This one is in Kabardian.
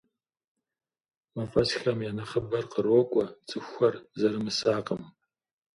Мафӏэсхэм я нэхъыбэр кърокӏуэ цӏыхухэр зэрымысакъым.